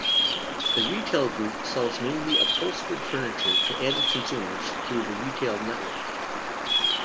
The Retail Group sells mainly upholstered furniture to end consumers through the retail network.